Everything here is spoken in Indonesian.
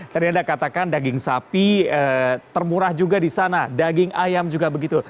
tadi anda katakan daging sapi termurah juga di sana daging ayam juga begitu